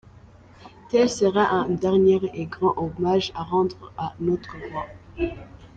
Tel serait un dernier et grand hommage à rendre à notre Roi.